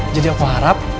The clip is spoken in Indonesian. jadi aku harap